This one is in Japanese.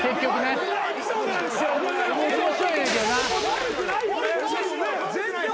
悪くないよね？